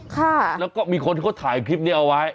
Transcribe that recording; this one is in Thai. ค่ะแล้วก็มีคนที่เขาถ่ายคลิปนี้เอาไว้